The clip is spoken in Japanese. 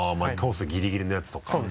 あコースギリギリのやつとか？